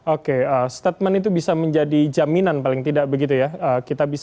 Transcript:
oke statement itu bisa menjadi jaminan paling tidak begitu ya